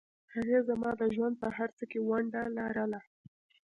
هغې زما د ژوند په هرڅه کې ونډه لرله